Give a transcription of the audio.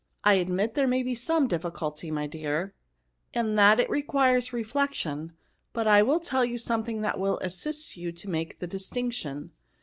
" I admit that there is some difficulty, my dear, and that it requires reflection ; but I mil tell you something that will assist you to make the distinction.